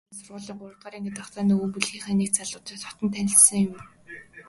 Хүн эмнэлгийн сургуулийн гуравдугаар ангид байхдаа нөгөө бүлгийнхээ нэг залуутай дотно сайн танилцсан юм.